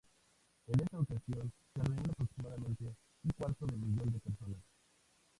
En esta ocasión se reúne aproximadamente un cuarto de millón de personas.